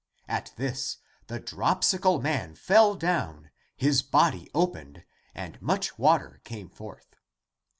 At this the dropsical man fell down, his body opened and much water came forth.